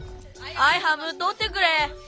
アイハムとってくれ！